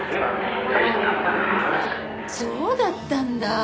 そうだったんだ！